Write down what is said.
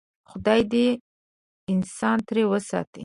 خدای دې انسان ترې وساتي.